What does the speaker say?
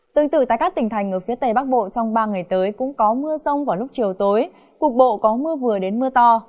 tương tự tại các tỉnh thành ở phía tây bắc bộ trong ba ngày tới cũng có mưa rông vào lúc chiều tối cục bộ có mưa vừa đến mưa to